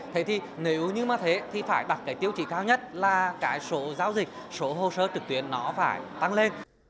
thế thì nếu như mà thế thì phải đặt cái tiêu chí cao nhất là cái số giao dịch số hồ sơ trực tuyến nó phải tăng lên